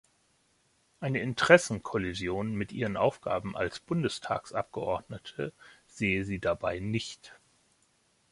Eine Interessenkollision mit ihren Aufgaben als Bundestagsabgeordnete sehe sie dabei nicht.